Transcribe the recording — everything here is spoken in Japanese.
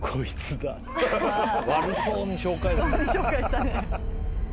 悪そうに紹介する。